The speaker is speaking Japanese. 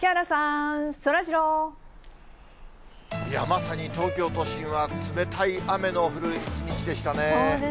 まさに東京都心は冷たい雨のそうですよね。